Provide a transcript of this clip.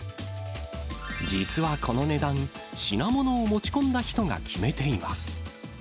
実はこの値段、品物を持ち込んだ人が決めています。